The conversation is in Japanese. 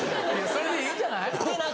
それでいいんじゃない？